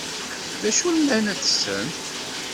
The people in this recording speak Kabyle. D acu i llan ad tessen?